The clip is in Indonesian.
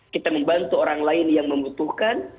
kita membantu orang lain yang membutuhkan